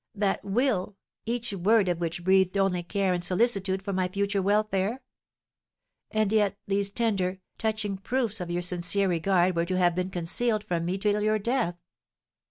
that will, each word of which breathed only care and solicitude for my future welfare? And yet these tender, touching proofs of your sincere regard were to have been concealed from me till your death.